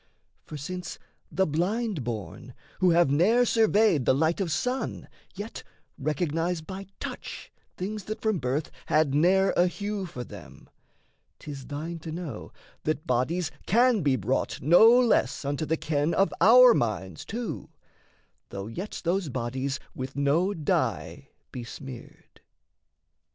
For since the blind born, who have ne'er surveyed The light of sun, yet recognise by touch Things that from birth had ne'er a hue for them, 'Tis thine to know that bodies can be brought No less unto the ken of our minds too, Though yet those bodies with no dye be smeared.